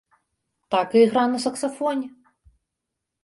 Так і ігра на саксафоне!